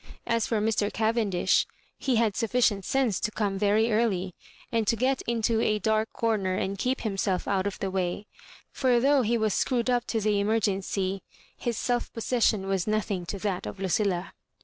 As for Mr. Cavendish, he had sufficient sense to come very eariy, and to get into a dark comer and keep himself out of the way; for though he was screwed up to the emergency, his self possession was nothing to that of Lucilla.